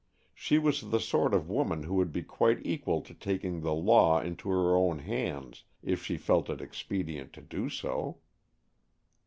She was the sort of woman who would be quite equal to taking the law into her own hands if she felt it expedient to do so.